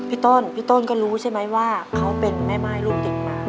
พี่ต้นพี่ต้นก็รู้ใช่ไหมว่าเขาเป็นแม่ม่ายลูกติดมา